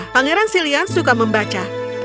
pangeran sillian suka membaca